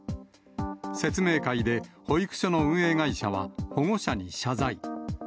説明会で保育所の運営会社は保護者に謝罪。